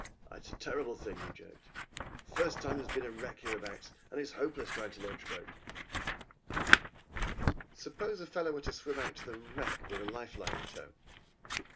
"It's a terrible thing," he jerked. "First time there has been a wreck hereabouts. It's hopeless trying to launch a boat " "Suppose a fellow were to swim out to the wreck with a life line in tow?"